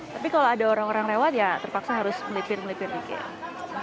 tapi kalau ada orang orang lewat ya terpaksa harus melipir melipir dikit